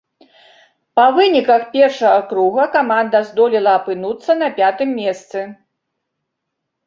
Па выніках першага круга каманда здолела апынуцца на пятым месцы.